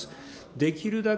できるだけ